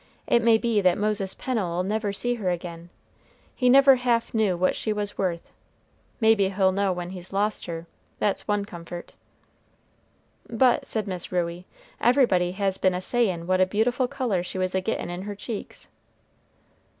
It may be that Moses Pennel'll never see her again he never half knew what she was worth maybe he'll know when he's lost her, that's one comfort!" "But," said Miss Ruey, "everybody has been a sayin' what a beautiful color she was a gettin' in her cheeks."